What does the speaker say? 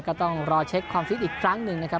ก็ต้องรอเช็คความฟิตอีกครั้งหนึ่งนะครับ